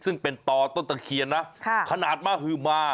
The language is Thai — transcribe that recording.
ซึ่งเป็นต่อต้นตะเคียนนะขนาดมหือมา